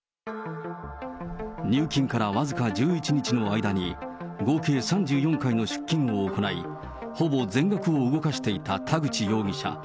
入金から僅か１１日の間に、合計３４回の出金を行い、ほぼ全額を動かしていた田口容疑者。